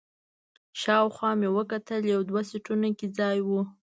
شاوخوا مې وکتل، یو دوه سیټونو کې ځای و.